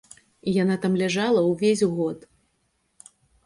І яна там ляжала ўвесь год.